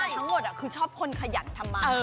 ทั้งหมดคือชอบคนขยันทำมา